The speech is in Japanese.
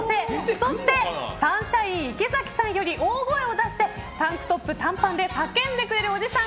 そしてサンシャイン池崎さんより大声を出せてタンクトップ短パンで叫んでくれるおじさん